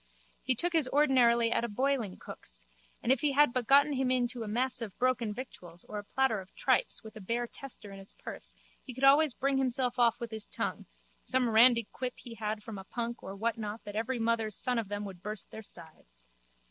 He took his ordinary at a boilingcook's and if he had but gotten into him a mess of broken victuals or a platter of tripes with a bare tester in his purse he could always bring himself off with his tongue, some randy quip he had from a punk or whatnot that every mother's son of them would burst their sides.